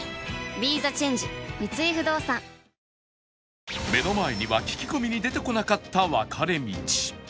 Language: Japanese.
ＢＥＴＨＥＣＨＡＮＧＥ 三井不動産目の前には聞き込みに出てこなかった分かれ道